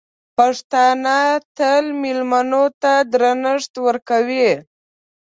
پښتانه تل مېلمنو ته درنښت ورکوي.